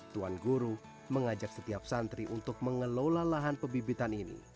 tuan guru mengajak setiap santri untuk mengelola lahan pebibitan ini